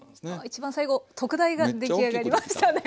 一番最後特大が出来上がりましたね！